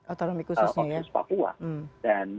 otonomi khusus papua dan